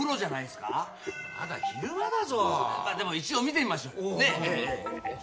でも一応見てみましょうよ。